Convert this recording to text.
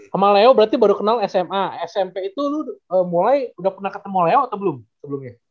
sama leo berarti baru kenal sma smp itu dulu mulai udah pernah ketemu leo atau belum sebelumnya